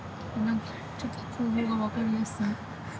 ちょっと構造が分かりやすい。